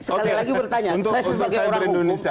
sekali lagi bertanya saya sebagai orang umum